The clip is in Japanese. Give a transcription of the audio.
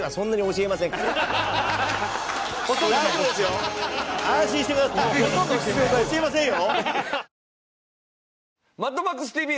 教えませんよ。